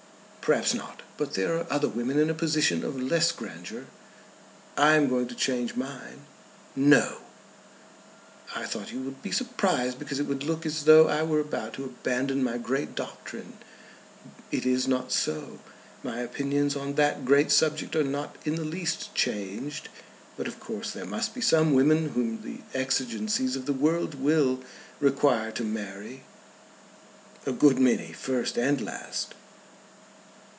"Perhaps not; but there are other women in a position of less grandeur. I am going to change mine." "No!" "I thought you would be surprised because it would look as though I were about to abandon my great doctrine. It is not so. My opinions on that great subject are not in the least changed. But of course there must be some women whom the exigencies of the world will require to marry." "A good many, first and last."